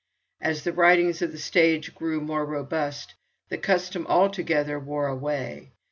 As the writings of the stage grew more robust, the custom altogether wore away.